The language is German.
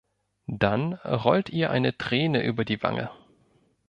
Dann rollt ihr eine Träne über die Wange.